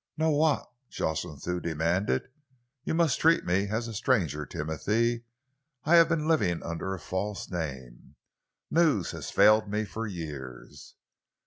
"Know what?" Jocelyn Thew demanded. "You must treat me as a stranger, Timothy, I have been living under a false name. News has failed me for years."